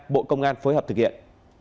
bộ công an phối hợp thực hiện